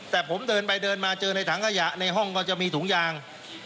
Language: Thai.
แต่ผมเดินไปเดินมาเจอในถังขยะในห้องก็จะมีถุงยาง